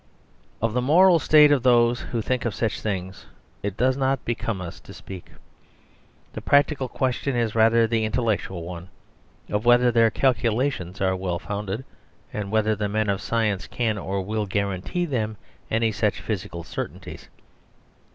Of the moral state of those who think of such things it does not become us to speak. The practical question is rather the intellectual one: of whether their calculations are well founded, and whether the men of science can or will guarantee them any such physical certainties.